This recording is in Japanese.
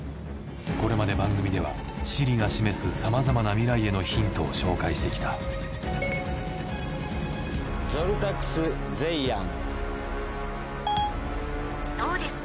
これまで番組ではＳｉｒｉが示すさまざまな未来へのヒントを紹介してきたゾルタクスゼイアン。